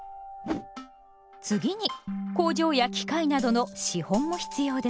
次に工場や機械などの資本も必要です。